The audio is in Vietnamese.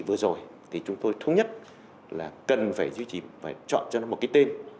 vừa rồi thì chúng tôi thống nhất là cần phải chọn cho nó một cái tên